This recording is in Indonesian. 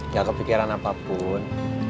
gak kepikiran apapun